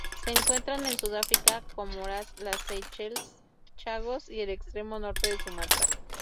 Se encuentran en Sudáfrica, Comoras, las Seychelles, Chagos y el extremo norte de Sumatra.